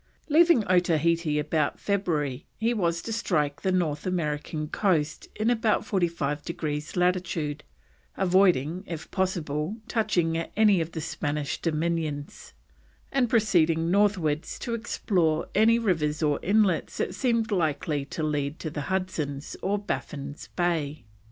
Leaving Otaheite about February he was to strike the North American coast in about 45 degrees latitude, avoiding, if possible, touching at any of the Spanish dominions, and proceeding northwards to explore any rivers or inlets that seemed likely to lead to Hudson's or Baffin's Bay.